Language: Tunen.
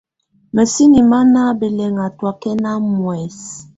Mǝ́sini má ná bɛlɛŋá tɔákɛna muɛsɛ.